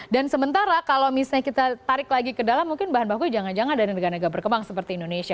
dan sementara kalau misalnya kita tarik lagi ke dalam mungkin bahan bakunya jangan jangan dari negara negara berkembang seperti indonesia